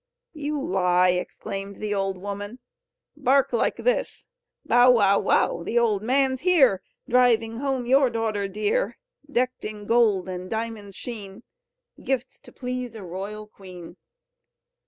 "You lie!" exclaimed the old woman; "bark like this: 'Bow! wow! wow! the old man's here! Driving home your daughter dear, Decked in gold and diamonds' sheen, Gifts to please a royal queen.'"